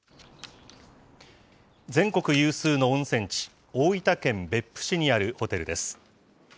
全国有数の温泉地、大分県別府市にあるホテルです。